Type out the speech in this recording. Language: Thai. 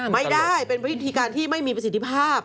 ไม่ได้เป็นวิธีการที่ไม่มีประสิทธิภาพ